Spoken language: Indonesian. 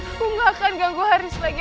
aku gak akan ganggu haris lagi